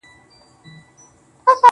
هندو نه یم، خو بیا هم و اوشا ته درېږم,